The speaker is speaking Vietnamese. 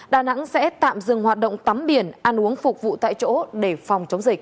đà nẵng sẽ tạm dừng hoạt động tắm biển ăn uống phục vụ tại chỗ để phòng chống dịch